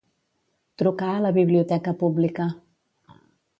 Trucar a la biblioteca pública.